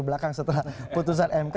belakang setelah putusan mk